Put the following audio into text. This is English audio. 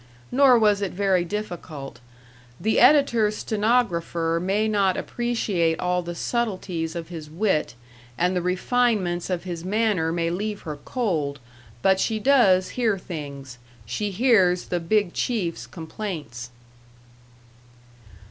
Nor was it very difficult. The editor's stenographer may not appreciate all the subtleties of his wit, and the refinements of his manner may leave her cold, but she does hear things, she hears the Big Chief's complaints.